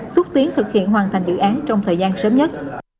xúc tiến thực hiện hoàn thành dự án trong thời gian sớm nhất